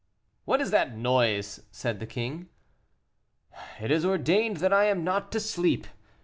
"What is that noise?" said the king. "It is ordained that I am not to sleep.